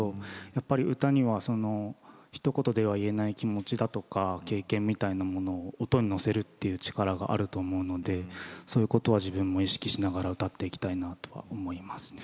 歌にはひと言では言えない気持ちだとか経験みたいなものが音に乗せるという力があると思いますのでそれを自分も意識しながら歌っていきたいと思います。